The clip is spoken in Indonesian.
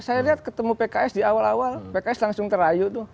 saya lihat ketemu pks di awal awal pks langsung terayu tuh